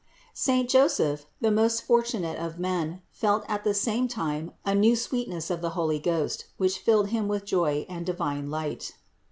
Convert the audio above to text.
Saint Joseph, the most fortunate of men, felt at the same time a new sweetness of the Holy Ghost, which filled him with joy and divine light.